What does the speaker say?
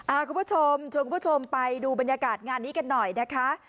คุณผู้ชมชวนคุณผู้ชมไปดูบรรยากาศงานนี้กันหน่อยนะคะ